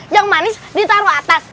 yang manis ditaruh atas